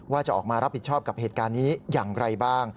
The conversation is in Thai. ว่าจะออกมารับผิดชอบกับเหตุการณ์นี้อย่างไรบ้าง